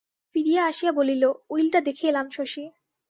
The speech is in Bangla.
ফিরিয়া আসিয়া বলিল, উইলটা দেখে এলাম শশী।